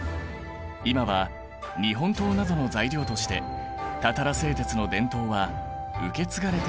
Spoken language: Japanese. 今は日本刀などの材料としてたたら製鉄の伝統は受け継がれているんだ。